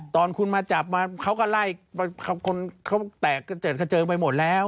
ตอนคุณมาจับมาเขาก็ไล่คนเขาแตกกระเจิดกระเจิงไปหมดแล้ว